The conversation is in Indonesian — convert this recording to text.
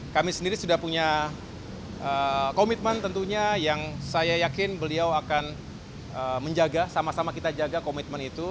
kami sendiri sudah punya komitmen tentunya yang saya yakin beliau akan menjaga sama sama kita jaga komitmen itu